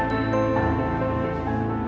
jangan lupakan aku